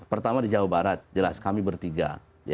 pertama di jawa barat jelas kami bertiga